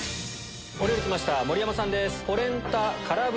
お料理きました盛山さんです。